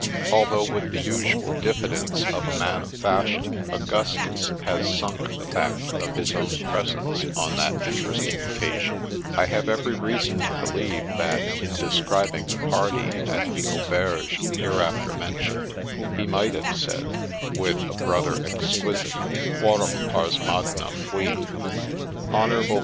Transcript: Although, with the usual diffidence of a man of fashion, Augustus has ' sunk ' the fact of his own presence on that interesting occasion, I have every reason to believe, that, in describing the party at the auberge hereafter mentioned, he might have said, with a brother Exquisite, ' Quorum pars magna /«».' 182 HON.